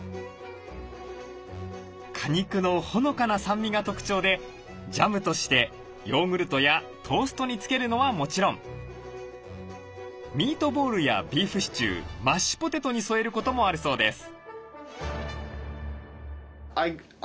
果肉のほのかな酸味が特徴でジャムとしてヨーグルトやトーストに付けるのはもちろんミートボールやビーフシチューマッシュポテトに添えることもあるそうです。